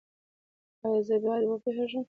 ایا زه باید وپوهیږم؟